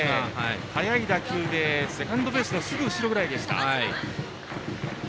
速い打球でセカンドベースのすぐ後ろぐらいでした。